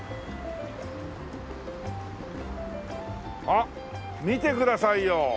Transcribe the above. あっ見てくださいよ。